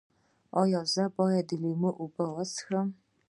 ایا زه باید د لیمو چای وڅښم؟